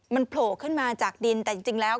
มันโผล่ขึ้นมาจากดินแต่จริงแล้ว